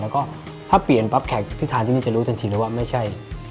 แล้วก็ถ้าเปลี่ยนปั๊บแขกที่ทานที่นี่จะรู้ทันทีเลยว่าไม่ใช่